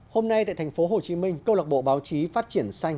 hôm nay tại thành phố hồ chí minh câu lạc bộ báo chí phát triển xanh